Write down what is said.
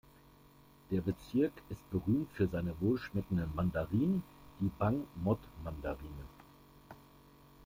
Der Bezirk ist berühmt für seine wohlschmeckenden Mandarinen, die Bang Mot-Mandarine.